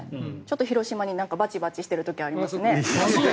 広島にバチバチしてる時ありますね。